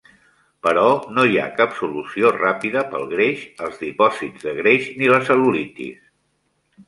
Però no hi ha cap solució ràpida pel greix, els dipòsits de greix ni la cel·lulitis.